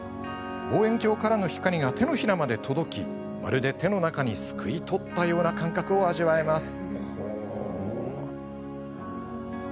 望遠鏡からの光が手のひらまで届き、まるで手の中に、すくい取ったような感覚を味わえます。